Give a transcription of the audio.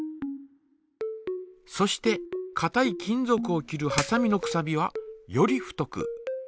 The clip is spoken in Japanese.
そしてかたい金ぞくを切るはさみのくさびはより太く。